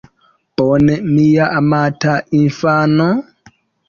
Bone, mia amata infano?